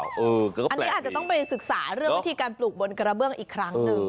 อันนี้อาจจะต้องไปศึกษาเรื่องวิธีการปลูกบนกระเบื้องอีกครั้งหนึ่ง